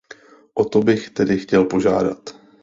O to bych tedy chtěl požádat.